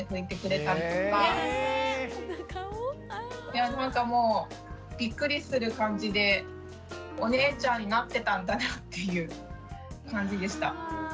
いやなんかもうビックリする感じでお姉ちゃんになってたんだなっていう感じでした。